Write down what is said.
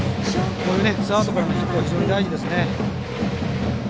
こういうツーアウトからのヒットは非常に大事ですね。